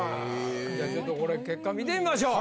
じゃあちょっとこれ結果見てみましょう！